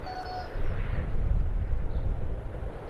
Anasema yeye ndie msimamizi halali wa nchi hadi uchaguzi ufanyike